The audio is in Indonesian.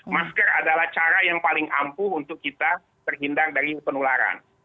masker adalah cara yang paling ampuh untuk kita terhindar dari penularan